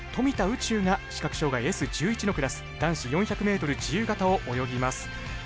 宇宙が視覚障がいＳ１１のクラス男子４００ｍ自由形を泳ぎます。